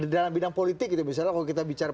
dalam bidang politik itu misalnya kalau kita bicara